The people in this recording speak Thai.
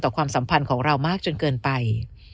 ความสัมพันธ์ของเรามากจนเกินไป